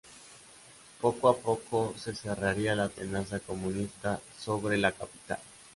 Poco a poco se cerraría la tenaza comunista sobre la capital.